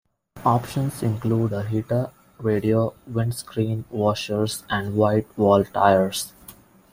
Options included a heater, radio, windscreen washers and white-wall tyres.